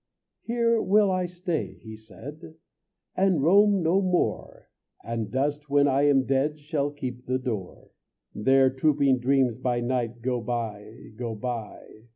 "Here will I stay," he said, "And roam no more, And dust when I am dead Shall keep the door." There trooping dreams by night Go by, go by.